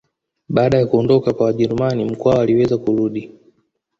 Baada ya kuondoka kwa Wajerumani Mkwawa aliweza kurudi